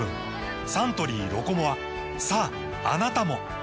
サントリー「ロコモア」さああなたも！